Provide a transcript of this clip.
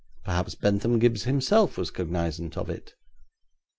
Perhaps Bentham Gibbes himself was cognisant of it.